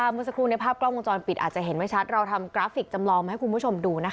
เมื่อสักครู่ในภาพกล้องวงจรปิดอาจจะเห็นไม่ชัดเราทำกราฟิกจำลองมาให้คุณผู้ชมดูนะคะ